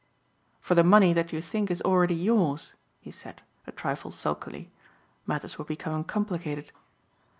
"For the money that you think is already yours," he said, a trifle sulkily. Matters were becoming complicated.